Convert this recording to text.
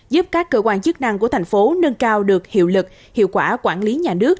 giúp các cơ quan chức năng của thành phố nâng cao được hiệu lực hiệu quả quản lý nhà nước